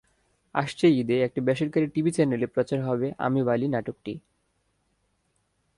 আসছে ঈদে একটি বেসরকারি টিভি চ্যানেলে প্রচার হবে আমি বালি নাটকটি।